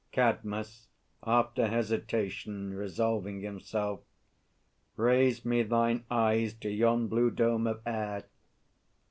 CADMUS (after hesitation, resolving himself). Raise me thine eyes to yon blue dome of air!